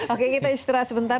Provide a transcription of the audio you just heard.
oke kita istirahat sebentar